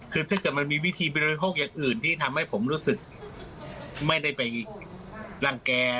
คือถ้าเกิดมันมีวิธีบริโภคอย่างอื่นที่ทำให้ผมรู้สึกไม่ได้ไปรังแก่